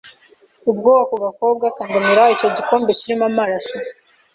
Ubwo ako gakobwa kanzanira icyo gikombe kirimo amaraso